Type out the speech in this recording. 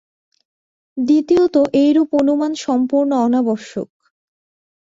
দ্বিতীয়ত এইরূপ অনুমান সম্পূর্ণ অনাবশ্যক।